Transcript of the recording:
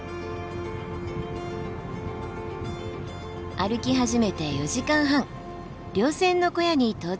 歩き始めて４時間半稜線の小屋に到着。